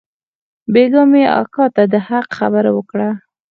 بيگاه مې اکا ته د حق خبره وکړه.